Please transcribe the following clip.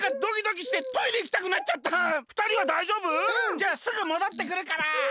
じゃあすぐもどってくるから！